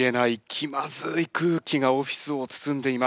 気まずい空気がオフィスを包んでいます。